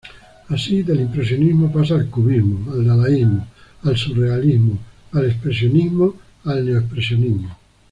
Así del impresionismo pasa al cubismo, al dadaísmo, al surrealismo, al expresionismo, al neo-expresionismo.